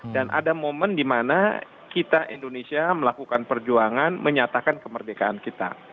dan ada momen di mana kita indonesia melakukan perjuangan menyatakan kemerdekaan kita